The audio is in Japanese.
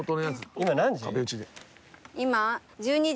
今何時？